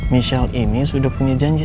michelle ini sudah punya janji